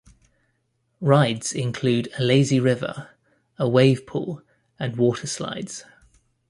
Rides include a lazy river, a wave pool, and water slides.